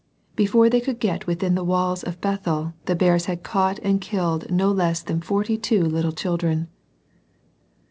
Before they could get within the walls of Bethel the bears had caught and killed no less than forty two little children.